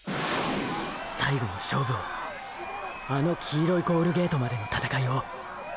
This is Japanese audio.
最後の勝負をあの黄色いゴールゲートまでの闘いを。